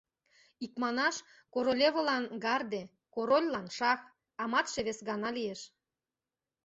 Икманаш, Королевылан — гарде, Корольлан — шах, а матше вескана лиеш.